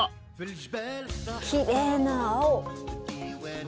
きれいな青！